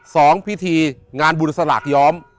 พิธีงานบุญสลากย้อม